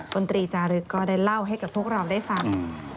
ตรีจารึกก็ได้เล่าให้กับพวกเราได้ฟัง